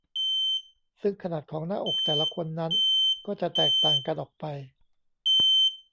ซึ่งขนาดของหน้าอกแต่ละคนนั้นก็จะแตกต่างกันออกไป